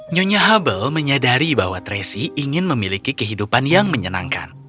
nyonya hubble menyadari bahwa tracy ingin memiliki kehidupan yang menyenangkan